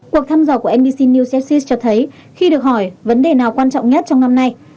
cuộc thăm dò của nbc news exit cho thấy khi được hỏi vấn đề nào quan trọng nhất trong năm nay